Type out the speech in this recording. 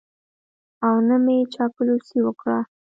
او نه مې چاپلوسي وکړه.